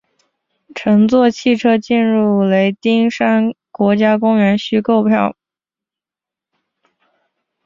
乘坐汽车进入雷丁山国家公园需购买门票。